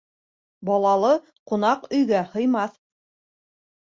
Балалы ҡунаҡ өйгә һыймаҫ.